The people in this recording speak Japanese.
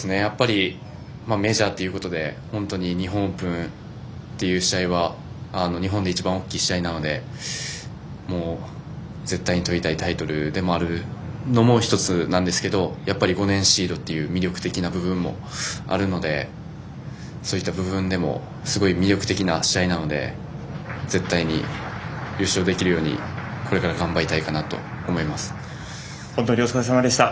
メジャーということで本当に日本オープンという試合は日本で一番大きな試合なので絶対にとりたいタイトルでもあるのも１つなんですけどやっぱり５年シードという魅力的な部分もあるのでそういった部分でもすごい魅力的な試合なので絶対に優勝できるようにこれから頑張りたいかなと本当にお疲れさまでした。